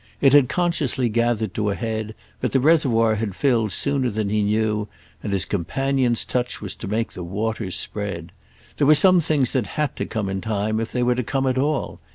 It had consciously gathered to a head, but the reservoir had filled sooner than he knew, and his companion's touch was to make the waters spread. There were some things that had to come in time if they were to come at all.